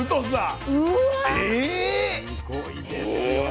⁉すごいですよね。